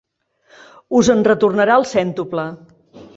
Us en retornarà el cèntuple.